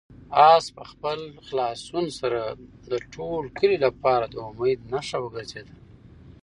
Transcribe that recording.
آس په خپل خلاصون سره د ټول کلي لپاره د امید نښه وګرځېده.